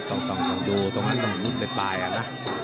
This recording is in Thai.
ต้องดูตรงนั้นต้องดูไปปลายอ่ะนะ